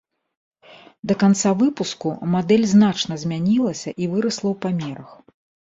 Да канца выпуску мадэль значна змянілася і вырасла ў памерах.